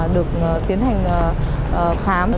được tiến hành khám